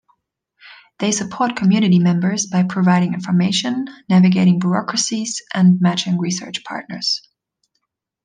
They support community members by providing information, navigating bureaucracies, and matching research partners.